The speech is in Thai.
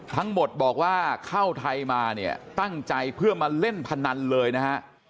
ทั้งหมดบอกว่าเข้าไทยมาเนี่ยตั้งใจเพื่อมาเล่นพนันเลยนะฮะ